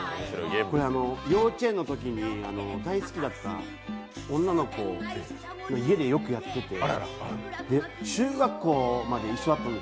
これ幼稚園のときに、大好きだった女の子の家でよくやってて、中学校まで一緒だったんです